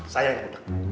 saya yang budeg